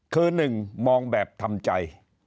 คือ๑มองแบบทำใจ